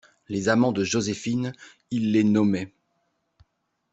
Les amants de Joséphine, il les nommait.